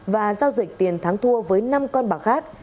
và giao dịch tiền thắng thua với năm con bạc khác